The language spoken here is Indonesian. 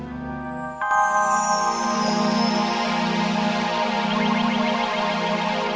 tidak ada yang bisa membatalkan pernikahan ini